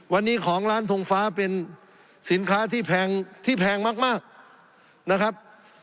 วันนี้ของร้านทงฟ้าเป็นสินค้าที่แพงมากนะครับ